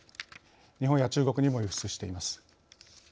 日本や中国にも輸出しています。